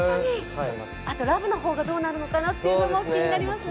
あとラブの方がどうなるのかというのも気になりますね。